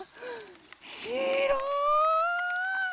ひろい！